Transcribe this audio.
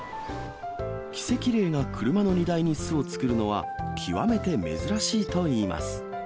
キセキレイが車の荷台に巣を作るのは、極めて珍しいといいます。